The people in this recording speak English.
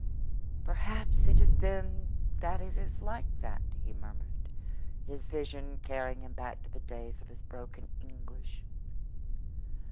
"Perhaps it is then that it is like that," he murmured, his vision carrying him back to the days of his broken English.